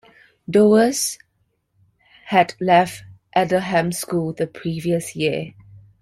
Dewes had left Aldenham School the previous year.